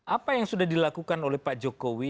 apa yang sudah dilakukan oleh pak jokowi